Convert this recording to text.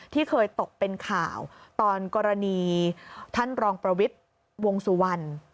ที่เคยตกเป็นข่าวตอนกรณีท่านรองประวิทย์วงสุวรรณ